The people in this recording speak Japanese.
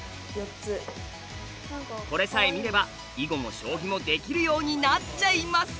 これさえ見れば囲碁も将棋もできるようになっちゃいます！